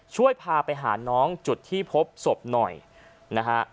ช่วยพาไปหาน้องจุดที่พบศพหน่อยนะฮะ